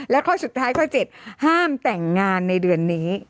และข้อสุดท้ายข้อ๗ห้ามแต่งงานในเดือนนี้